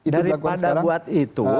daripada buat itu